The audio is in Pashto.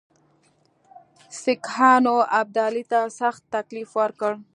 سیکهانو ابدالي ته سخت تکلیف ورکړ.